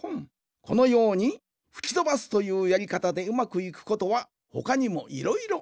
このようにふきとばすというやりかたでうまくいくことはほかにもいろいろある。